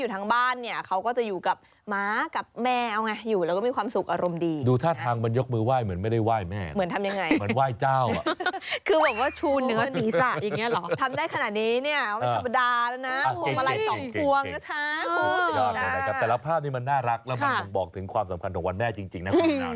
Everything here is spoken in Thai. แต่ละภาพนี้มันน่ารักและมันคงบอกถึงความสำคัญของวันแม่จริงนะครับ